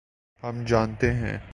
ہم جانتے ہیں۔